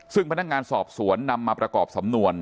ซึ่งพนักงานสอบสวนนำมาประกอบสำนวน